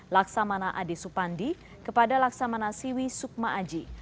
laksamana ade supandi kepada laksamana siwi sukma aji